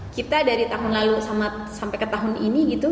kita dari tahun lalu sampai ke tahun ini gitu